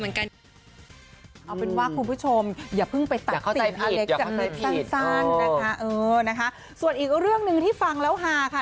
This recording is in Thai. เอาเป็นว่าคุณผู้ชมอย่าเพิ่งไปตัดสินอเล็กจากเล็กสั้นนะคะเออนะคะส่วนอีกเรื่องหนึ่งที่ฟังแล้วฮาค่ะ